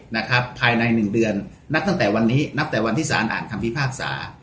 นะครับภายในหนึ่งเดือนนับตั้งแต่วันนี้นับแต่วันที่สารอ่านคำพิพากษา